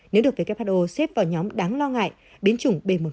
nếu được who xếp vào nhóm đáng lo ngại biến chủng b một